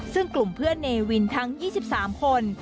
ซึ่งกลุ่มเพื่อนเนวินทั้ง๒๓คน